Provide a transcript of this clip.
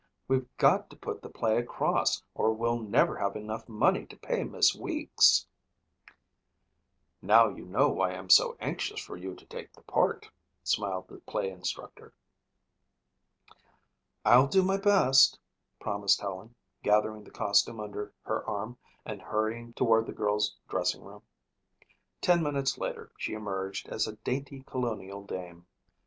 We've got to put the play across or we'll never have enough money to pay Miss Weeks." "Now you know why I'm so anxious for you to take the part," smiled the play instructor. "I'll do my best," promised Helen, gathering the costume under her arm and hurrying toward the girls' dressing room. Ten minutes later she emerged as a dainty colonial dame.